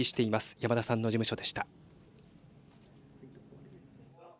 山田さんの事務所でした。